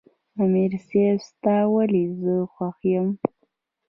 " امیر صېب ستا ولې زۀ خوښ یم" ـ